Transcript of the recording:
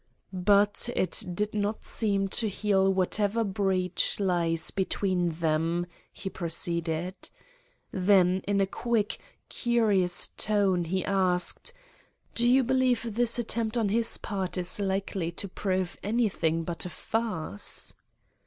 "But it did not seem to heal whatever breach lies between them," he proceeded. Then in a quick, curious tone, he asked: "Do you believe this attempt on his part is likely to prove anything but a farce?"